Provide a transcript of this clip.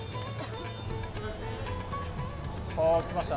あー、来ました。